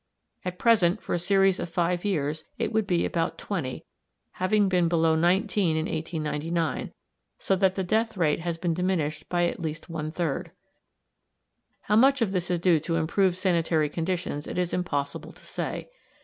At present, for a series of five years, it would be about 20, having been below 19 in 1899, so that the death rate has been diminished by at least one third. How much of this is due to improved sanitary conditions it is impossible to say.